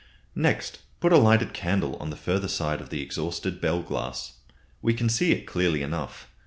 Next, put a lighted candle on the further side of the exhausted bell glass. We can see it clearly enough.